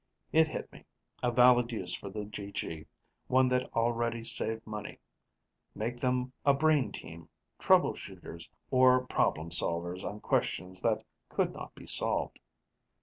It hit me: a valid use for the GG, one that already saved money. Make them a brain team, trouble shooters, or problem solvers on questions that could not be solved.